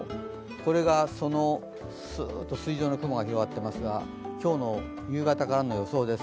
これがその筋状の雲が広がっていますが、今日の夕方からの予想です。